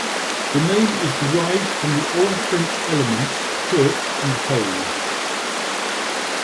The name is derived from the Old French elements "curt" and "hose".